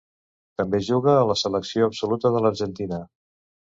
També juga a la selecció absoluta de l'Argentina.